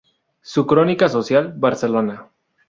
Su crónica social "Barcelona.